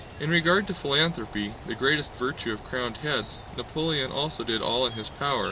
In regard to philanthropy, the greatest virtue of crowned heads, Napoleon also did all in his power.